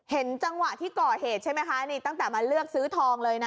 เห็นจังหวะที่ก่อเหตุใช่ไหมคะนี่ตั้งแต่มาเลือกซื้อทองเลยนะ